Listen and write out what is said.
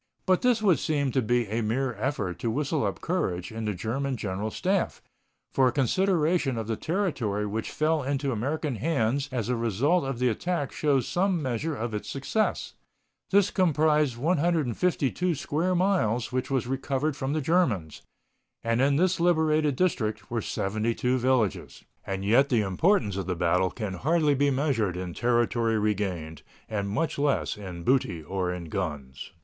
But this would seem to be a mere effort to whistle up courage in the German General Staff, for a consideration of the territory which fell into American hands as a result of the attack shows some measure of its success. This comprised 152 square miles which was recovered from the Germans. And in this liberated district were 72 villages. And yet the importance of the battle can hardly be measured in territory regained, and much less in booty or in guns.